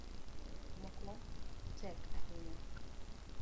Moko tek ahinya